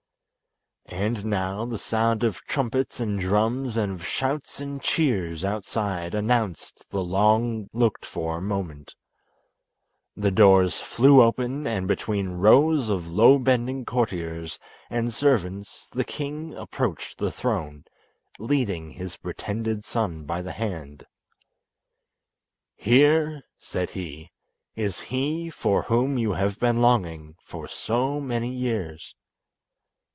And now the sound of trumpets and drums and of shouts and cheers outside announced the long looked for moment. The doors flew open, and between rows of low bending courtiers and servants the king approached the throne, leading his pretended son by the hand. "Here," said he, "is he for whom you have been longing so many years."